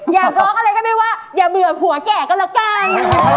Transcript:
อยากบอกอะไรก็ไม่ว่าอย่าเบื่อผัวแก่ก็แล้วกัน